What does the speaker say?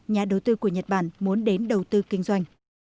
nhà đầu tư của nhật bản muốn đến đầu tư kinh doanh